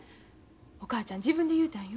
お母ちゃん自分で言うたんよ。